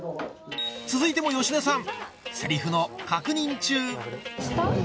続いても芳根さん